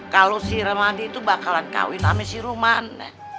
kalo si rahmadi itu bakalan kawin sama si rumana